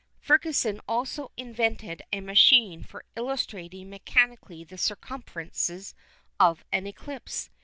Ferguson also invented a machine for illustrating mechanically the circumstances of an eclipse.